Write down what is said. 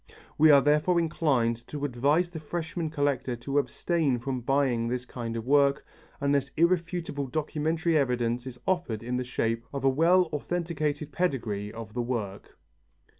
We are therefore inclined to advise the freshman collector to abstain from buying this kind of work, unless irrefutable documentary evidence is offered in the shape of a well authenticated pedigree of the work.